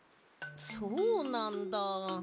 そうなんだ。